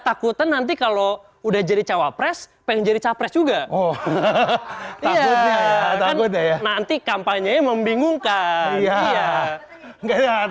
takut nanti kalau udah jadi cawapres pengen jadi capres juga oh nanti kampanye membingungkan